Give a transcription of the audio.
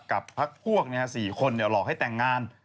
กับพักพวก๔คนหลอกให้แต่งงาน